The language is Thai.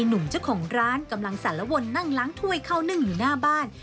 หนุ่มเจ้าของร้านกำลังสารวนนั่งล้างถ้วยเข้านึ่งอยู่หน้าบ้าน